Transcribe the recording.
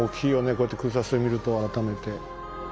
こうやって空撮で見ると改めて。